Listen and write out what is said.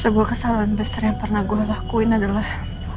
sebuah kesalahan besar yang pernah gue lakuin adalah